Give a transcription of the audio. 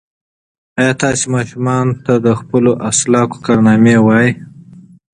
ایا تاسي ماشومانو ته د خپلو اسلافو کارنامې وایئ؟